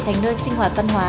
thành nơi sinh hoạt văn hóa